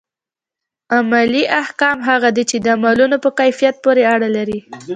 عملي احکام هغه دي چي د عملونو په کيفيت پوري اړه لري.